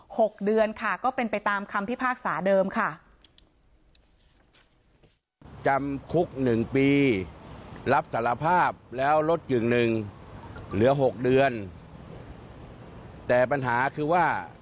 หกเดือนค่ะก็เป็นไปตามคำพิพากษาเดิมค่ะ